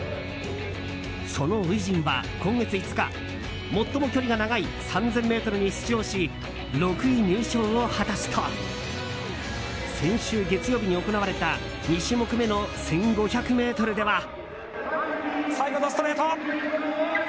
その初陣は今月５日最も距離が長い３０００ｍに出場し６位入賞を果たすと先週月曜日に行われた２種目めの１５００ｍでは。